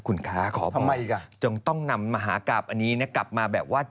คุณคะขอบอกจริงน้ำมหากราบอันนี้กลับมาแบบว่า